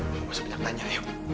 mereka sepencang tanya ayo